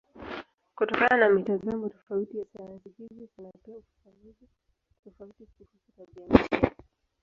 Kutokana na mitazamo tofauti ya sayansi hizi kuna pia ufafanuzi tofauti kuhusu tabianchi.